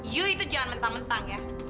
yuk itu jangan mentang mentang ya